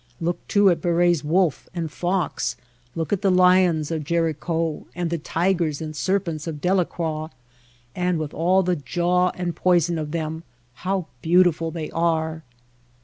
Look, too, at Barye^s wolf and fox, look at the lions of Gericault, and the tigers and serpents of Dela croix ; and with all the jaw and poison of them how beautiful they are